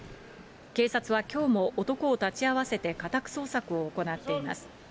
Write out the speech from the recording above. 警察はきょうも男を立ち会わせて家宅捜索を行っています。